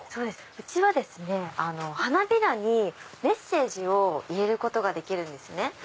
うちは花びらにメッセージを入れることができるんですね。